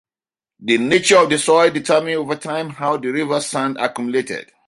The nature of the soil determined over time how the river's sand accumulated.